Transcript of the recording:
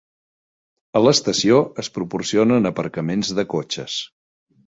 A l'estació es proporcionen aparcaments de cotxes.